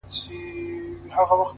مثبت فکر د هیلو رڼا ساتي!